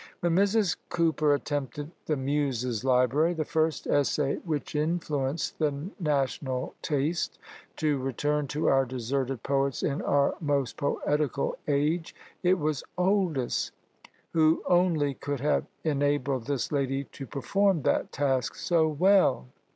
When Mrs. Cooper attempted "The Muse's Library," the first essay which influenced the national taste to return to our deserted poets in our most poetical age, it was Oldys who only could have enabled this lady to perform that task so well.